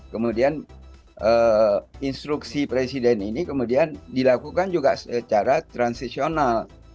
kemudian instruksi presiden ini kemudian dilakukan juga secara transisional